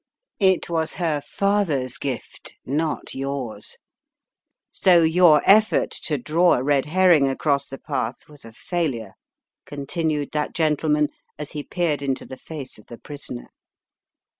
It was her father's gift, not yours, so your effort to draw a red herring across the path was a failure," continued that gentleman as he peered into the face of the prisoner.